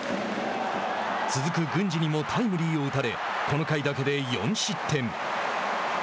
続く郡司にもタイムリーを打たれこの回だけで４失点。